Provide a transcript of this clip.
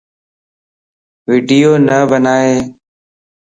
ويڊيو نه بنائي